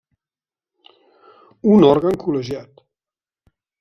Un òrgan col·legiat.